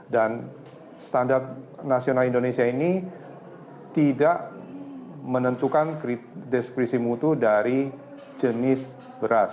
dan standar nasional indonesia ini tidak menentukan deskripsi mutu dari jenis beras